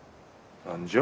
何じゃ？